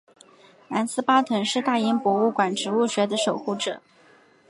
兰斯巴腾是大英博物馆植物学的守护者。